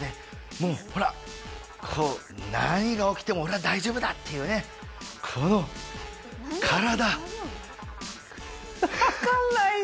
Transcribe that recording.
もうほらこう何が起きても俺は大丈夫だっていうねこの身体分かんないよ